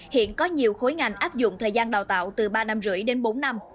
hiện có nhiều khối ngành áp dụng thời gian đào tạo từ ba năm rưỡi đến bốn năm